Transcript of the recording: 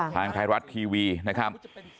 ทางไทยรัฐทีวีนะครับ